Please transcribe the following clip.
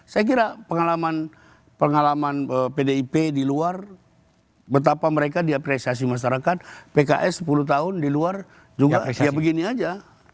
saya kira pengalaman pdip di luar betapa mereka diapresiasi masyarakat pks sepuluh tahun di luar juga ya begini aja